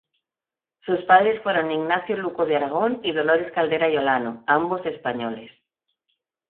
Sus padres fueron "Ignacio Luco de Aragón" y "Dolores Caldera y Olano", ambos españoles.